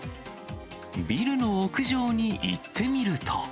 ビルの屋上に行ってみると。